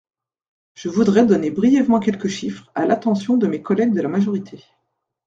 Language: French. Je voudrais donner brièvement quelques chiffres, à l’attention de mes collègues de la majorité.